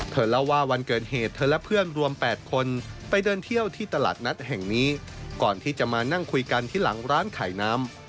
เธอเล่าว่าวันเกิดเหตุเธอและเพื่อนรวม๘คนไปเดินเที่ยวที่ตลาดนัดแห่งนี้ก่อนที่จะมานั่งคุยกันที่หลังร้านขายน้ำ